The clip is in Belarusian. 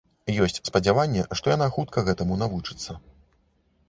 Ёсць спадзяванне, што яна хутка гэтаму навучыцца.